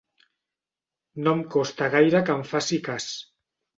No em costa gaire que em faci cas.